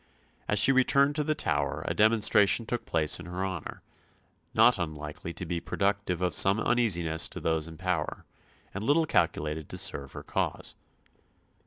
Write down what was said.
As she returned to the Tower a demonstration took place in her honour, not unlikely to be productive of some uneasiness to those in power, and little calculated to serve her cause.